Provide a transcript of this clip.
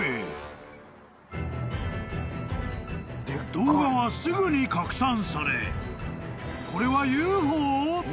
［動画はすぐに拡散され］